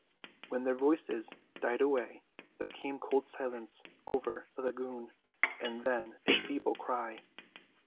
When their voices died away there came cold silence over the lagoon, and then a feeble cry.